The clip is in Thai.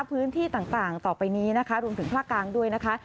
พื้นที่ต่างต่อไปนี้นะคะรวมถึงภาคกลางด้วยนะคะ